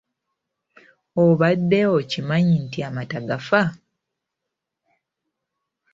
Obadde okimanyi nti amata gafa?